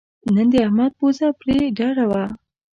نن د احمد پوزه پرې ډډه وه.